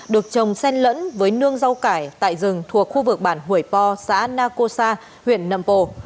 được trồng sen lẫn với nương rau cải tại rừng thuộc khu vực bản hủy po xã naco sa huyện nậm pồ